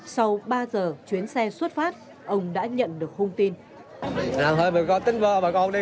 sau ba giờ chuyến xe xuất phát ông đã nhận được hung tin